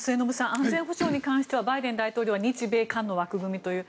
安全保障に関してはバイデン大統領は日米韓の枠組みという。